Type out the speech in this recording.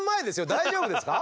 大丈夫ですか？